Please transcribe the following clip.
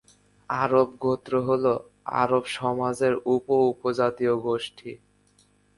আরব গোত্র হল আরব সমাজের উপ-উপজাতীয় গোষ্ঠী।